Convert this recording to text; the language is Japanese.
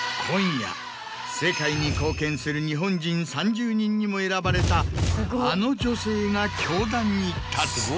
今夜世界に貢献する日本人３０人にも選ばれたあの女性が教壇に立つ。